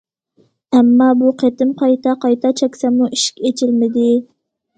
ئەمما بۇ قېتىم قايتا- قايتا چەكسەممۇ ئىشىك ئېچىلمىدى.